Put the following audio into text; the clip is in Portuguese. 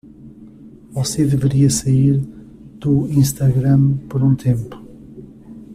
Você deveria sair do Instagram por um tempo.